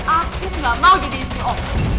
aku gak mau jadi istri